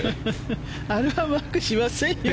あれはマークしませんよ。